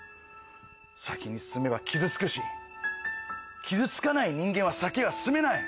先に進めば傷つくし傷つかない人間は先へは進めない。